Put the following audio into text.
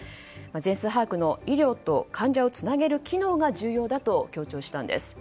全数把握の医療と患者をつなげる機能が重要だと強調したんです。